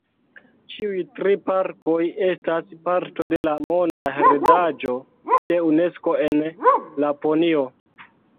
Ĉiuj tri parkoj estas parto de la Monda heredaĵo de Unesko en Laponio.